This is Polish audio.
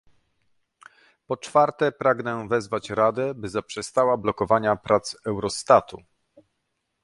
Po czwarte pragnę wezwać Radę, by zaprzestała blokowania prac Eurostatu